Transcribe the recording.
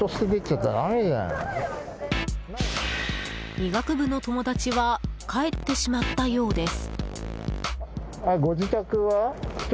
医学部の友達は帰ってしまったようです。